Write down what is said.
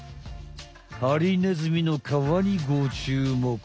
ハリネズミのかわにごちゅうもく。